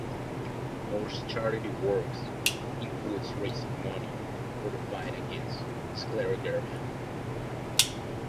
Moore's charity work includes raising money for the fight against Scleroderma.